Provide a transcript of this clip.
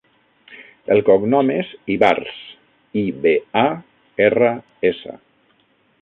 El cognom és Ibars: i, be, a, erra, essa.